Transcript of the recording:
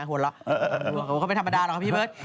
หัวเราะห่วงเขาก็ไม่ธรรมดาหรอกครับพี่เบิร์ต